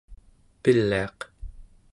piliaq